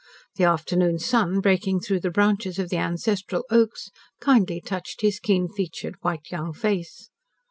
The afternoon sun, breaking through the branches of the ancestral oaks, kindly touched his keen featured, white young face.